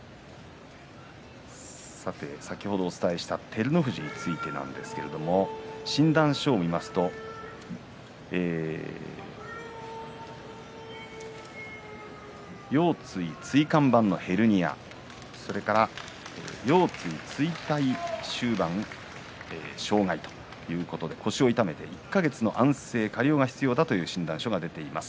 先ほど、お伝えした照ノ富士についてですが診断書を見ますと腰椎椎間板のヘルニアそれから腰椎椎体終板障害腰を痛めて１か月の安静、加療が必要だという診断書が出ています。